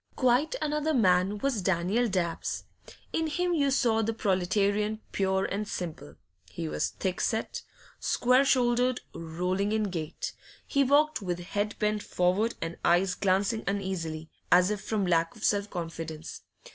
Quite another man was Daniel Dabbs: in him you saw the proletarian pure and simple. He was thick set, square shouldered, rolling in gait; he walked with head bent forward and eyes glancing uneasily, as if from lack of self confidence.